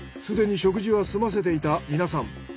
すでに食事は済ませていた皆さん。